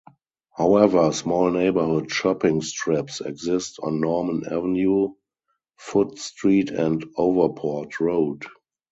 However, small neighbourhood shopping strips exist on Norman Avenue, Foot Street and Overport Road.